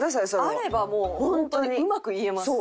あればもうホントにうまく言えます。